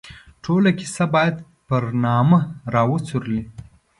ټوله کیسه باید پر نامه را وڅورلي.